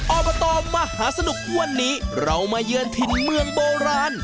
อบตมหาสนุกวันนี้เรามาเยือนถิ่นเมืองโบราณ